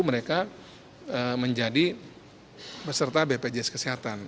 mereka menjadi peserta bpjs kesehatan